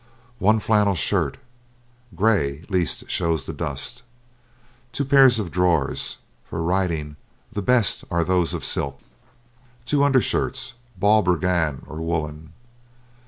One flannel shirt. Gray least shows the dust. Two pairs of drawers. For riding, the best are those of silk. Two undershirts, balbriggan or woollen.